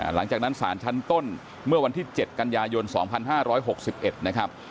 หลังจากนั้นศาลชั้นต้นเมื่อวันที่๗กันยายน๒๕๖๑นะครับ